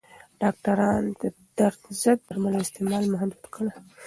ډاکټران د درد ضد درملو استعمال محدود کړی.